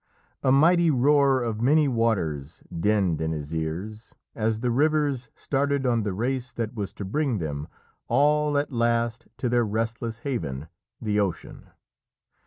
A mighty roar of many waters dinned in his ears as the rivers started on the race that was to bring them all at last to their restless haven, the Ocean.